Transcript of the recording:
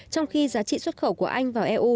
trong khi giá trị xuất khẩu của anh vào eu